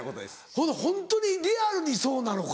ほなホントにリアルにそうなのか。